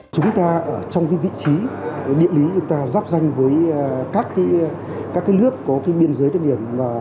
chúng ta ở trong vị trí địa lý chúng ta dắp danh với các nước có biên giới trên điểm